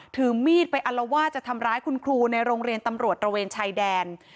ถือมีดไปอัลวาดจะทำร้ายคุณครูในโรงเรียนตำรวจตระเวนชายแดน